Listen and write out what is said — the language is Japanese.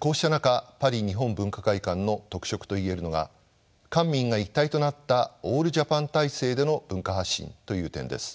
こうした中パリ日本文化会館の特色と言えるのが官民が一体となったオールジャパン体制での文化発信という点です。